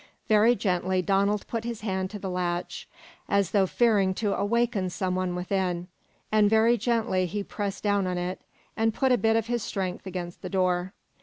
Very gently Donald put his hand to the latch, as though fearing to awaken some one within; and very gently he pressed down on it, and put a bit of his strength against the door.